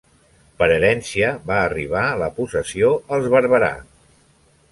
Per herència va arribar la possessió als Barberà.